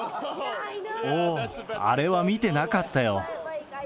おお、あれは見てなかったよ。